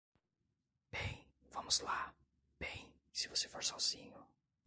Bem, vamos lá, bem, se você for sozinho.